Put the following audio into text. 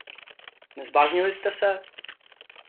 Nezbláznili jste se?